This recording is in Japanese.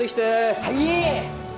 はい